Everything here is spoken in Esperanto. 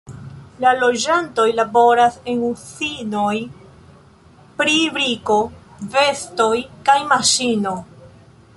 La loĝantoj laboras en uzinoj pri briko, vestoj kaj maŝino.